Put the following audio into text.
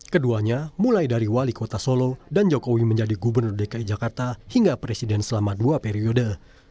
keduanya mulai dari wali kota solo dan jokowi menjadi gubernur dki jakarta hingga presiden selama dua periode